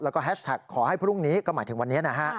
แล้วก็แฮชแท็กขอให้พรุ่งนี้ก็หมายถึงวันนี้นะฮะ